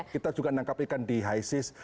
kita juga menangkap ikan di hisis